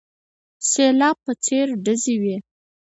سلاب په څېر ډزې وې.